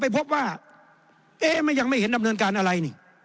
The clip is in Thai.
พบว่าเอ๊ยยังไม่เห็นดำเนินการอะไร